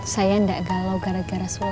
saya gak galau gara gara sulaman lo